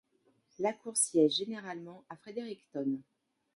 La cour siège généralement à Fredericton.